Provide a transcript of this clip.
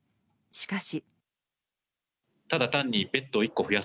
しかし。